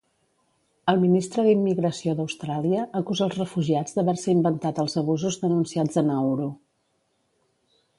El ministre d'Immigració d'Austràlia acusa els refugiats d'haver-se inventat els abusos denunciats a Nauru.